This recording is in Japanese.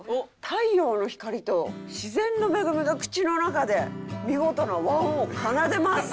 太陽の光と自然の恵みが口の中で見事な和音を奏でます。